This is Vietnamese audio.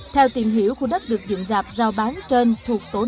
theo tìm hiểu khu đất được dựng rạp giao bán trên thuộc tổ năm